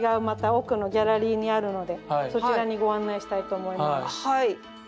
また奥のギャラリーにあるのでそちらにご案内したいと思います。